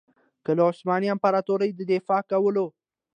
که له عثماني امپراطورۍ دفاع کوله.